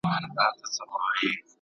¬ په زور کلي نه کېږي.